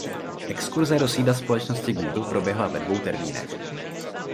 Exkurze do sídla společnosti Google proběhla ve dvou termínech.